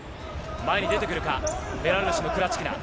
前に出てくるか、ベラルーシのクラチキナ。